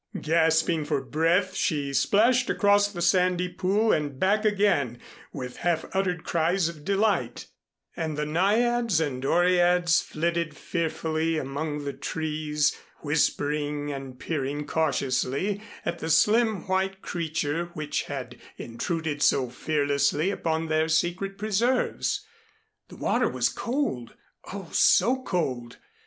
Gasping for breath she splashed across the sandy pool and back again with half uttered cries of delight; and the Naiads and Oreads flitted fearfully among the trees whispering and peering cautiously at the slim white creature which had intruded so fearlessly upon their secret preserves. The water was cold! Oh, so cold!